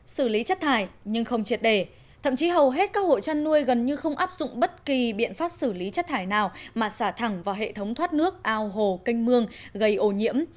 xử lý chất thải nhưng không triệt để thậm chí hầu hết các hộ chăn nuôi gần như không áp dụng bất kỳ biện pháp xử lý chất thải nào mà xả thẳng vào hệ thống thoát nước ao hồ canh mương gây ô nhiễm